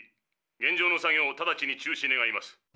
現状の作業をただちに中止願います。